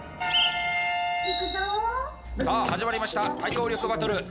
さあ始まりました対応力バトル。